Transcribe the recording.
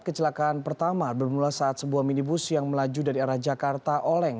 kecelakaan pertama bermula saat sebuah minibus yang melaju dari arah jakarta oleng